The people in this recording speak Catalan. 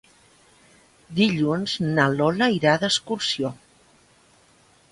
Dilluns na Lola irà d'excursió.